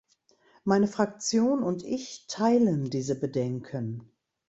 Meine Fraktion und ich teilen diese Bedenken.